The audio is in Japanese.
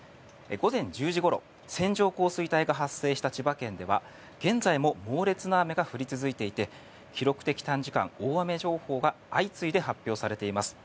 午前１０時ごろ線状降水帯が発生した千葉県では現在も猛烈な雨が降り続けていて記録的短時間大雨情報が相次いで発表されています。